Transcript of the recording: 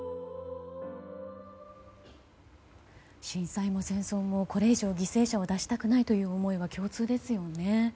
震災も戦争もこれ以上、犠牲者を出したくないという思いは共通ですよね。